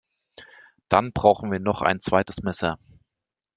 Dann brauchen wir noch ein zweites Messer